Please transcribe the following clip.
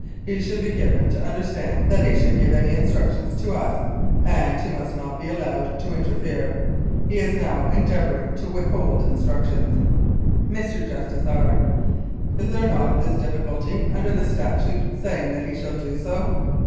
He should be given to understand that he should give any instructions to us, and he must not be allowed to interfere. He is now endeavour ing to withhold instructions. Mr. JUSTICE R. : Is there not this difficulty under the statute, saying that he shall do so?